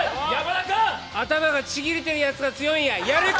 頭がちぎれてるやつが強いんや、やる気！